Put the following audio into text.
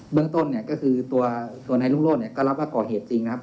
เบื้องต้นก็คือตัวไหนรุ่งโล่นก็รับว่าก่อเหตุจริงนะครับ